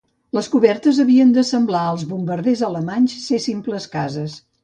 Les cobertes havien de semblar als bombarders alemanys ser simples cases.